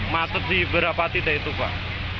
macet di berapa titik itu pak